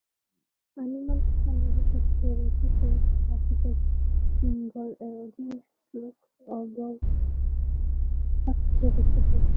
আনুমানিক পনেরো শতকে রচিত প্রাকৃতপৈঙ্গল-এর অধিকাংশ শ্লোক অবহট্ঠে রচিত।